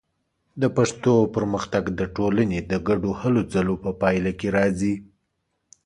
د پښتو پرمختګ د ټولنې د ګډو هلو ځلو په پایله کې راځي.